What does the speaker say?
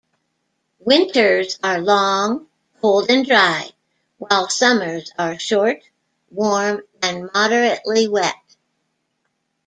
Winters are long, cold and dry, while summers are short, warm and moderately wet.